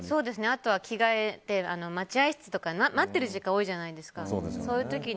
あとは着替えて、待合室とかで待ってる時間が多いじゃないですか。